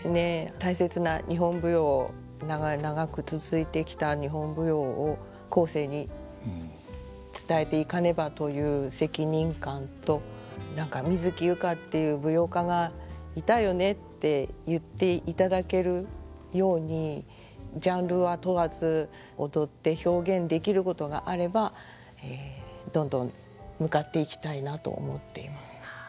大切な日本舞踊を長く続いてきた日本舞踊を後世に伝えていかねばという責任感と何か水木佑歌っていう舞踊家がいたよねって言っていただけるようにジャンルは問わず踊って表現できることがあればどんどん向かっていきたいなと思っています。